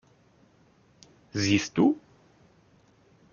Siehst du?